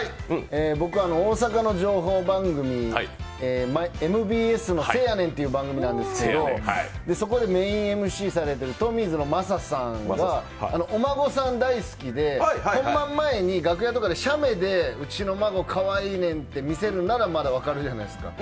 僕は大阪の情報番組、ＭＢＳの「せやねん！」って番組なんですけどそこでメインＭＣされてらっしゃるトミーズの雅さんがお孫さん大好きで、本番前に楽屋で写メでうちの孫かわいいねんって見せるならまだ分かるじゃないですか。